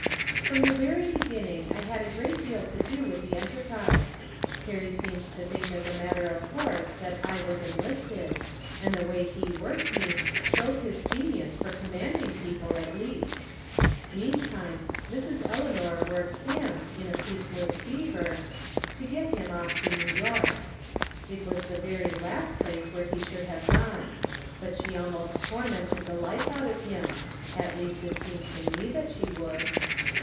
From the very beginning I had a great deal to do with the enterprise. Perry seemed to think as a matter of course that I was enlisted, and the way he worked me showed his genius for com manding people, at least. Meantime Mrs. Elea nor worked him, in a ceaseless fever, to get him off to New York. It was the very last place where he should have gone. But she almost tor mented the life out of him ; at least it seemed to me that she would.